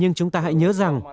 nhưng chúng ta hãy nhớ rằng